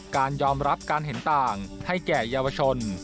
การยอมรับการเห็นต่างให้แก่เยาวชน